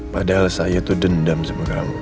padahal saya itu dendam sama kamu